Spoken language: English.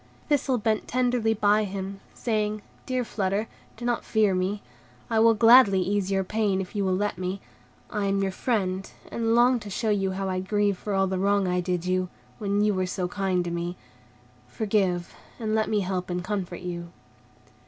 Thistle bent tenderly beside him, saying, "Dear Flutter, do not fear me. I will gladly ease your pain, if you will let me; I am your friend, and long to show you how I grieve for all the wrong I did you, when you were so kind to me. Forgive, and let me help and comfort you."